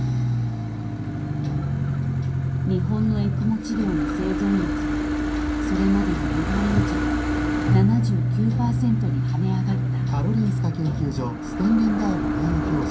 日本のエクモ治療の生存率はそれまでの２倍以上７９％に跳ね上がった。